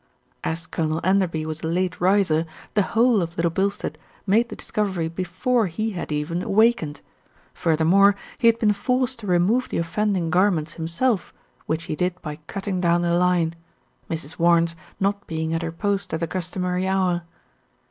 As Colonel Enderby was a late riser, the whole of Little Bilstead made the discovery before he had even awakened. Furthermore, he had been forced to re move the offending garments himself, which he did by cutting down the line, Mrs. Warnes not being at her post at the customary hour.